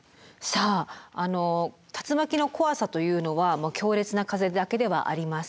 さあ竜巻の怖さというのは強烈な風だけではありません。